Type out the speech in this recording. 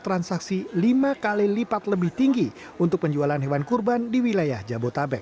transaksi lima kali lipat lebih tinggi untuk penjualan hewan kurban di wilayah jabotabek